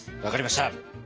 わかりました。